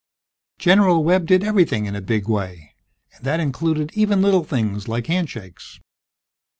General Webb did everything in a big way, and that included even little things like handshakes.